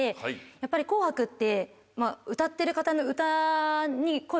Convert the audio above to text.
やっぱり『紅白』って歌ってる方の。